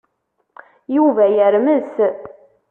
Yuba yermes.